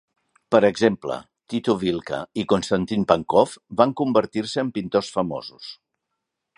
Per exemple, Tiko Vilka i Konstantín Pankov va convertir-se en pintors famosos.